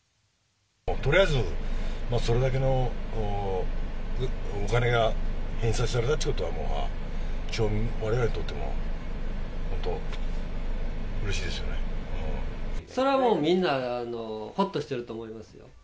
とりあえず、それだけのお金が返済されたっていうことは、われわれにとってもそれはもう、みんな、ほっとしてると思いますよ。